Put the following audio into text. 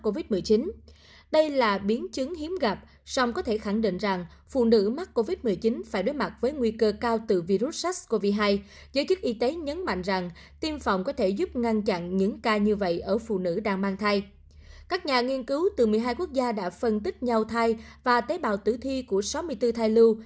các nhà nghiên cứu từ một mươi hai quốc gia đã phân tích nhau thai và tế bào tử thi của sáu mươi bốn thai lưu